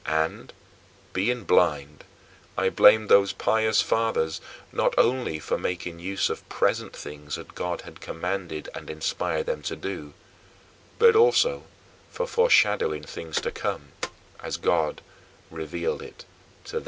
And, being blind, I blamed those pious fathers, not only for making use of present things as God had commanded and inspired them to do, but also for foreshadowing things to come, as God revealed it to the